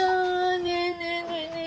ねえねえねえねえ